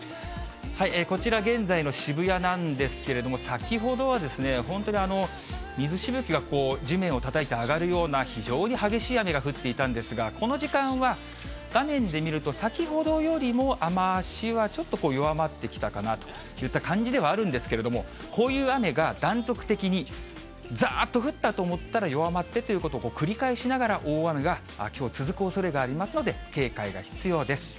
こちら、現在の渋谷なんですけれども、先ほどは、本当に水しぶきが地面をたたいて上がるような非常に激しい雨が降っていたんですが、この時間は、画面で見ると、先ほどよりも雨足はちょっと弱まってきたかなといった感じではあるんですけれども、こういう雨が断続的にざーっと降ったと思ったら、弱まってということを繰り返しながら大雨がきょう、続くおそれがありますので、警戒が必要です。